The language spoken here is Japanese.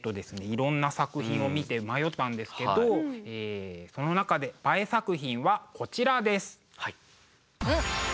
いろんな作品を見て迷ったんですけどその中でＢＡＥ作品はこちらです！